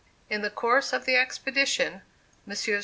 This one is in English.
In the course of the expedition, Messrs.